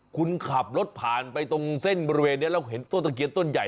คุณขับรถผ่านไปตรงเส้นบริเวณนี้แล้วเห็นต้นตะเคียนต้นใหญ่